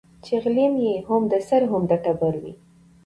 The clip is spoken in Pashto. چي غلیم یې هم د سر هم د ټبر وي